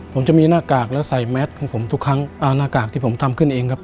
ผมจะมีหน้ากากและใส่แมสของผมทุกครั้งอ่าหน้ากากที่ผมทำขึ้นเองครับ